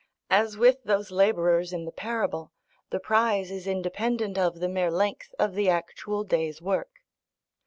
As with those labourers in the parable, the prize is independent of the mere length of the actual day's work.